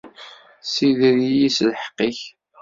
Ssider-iyi s lḥeqq-ik.